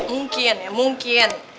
mungkin ya mungkin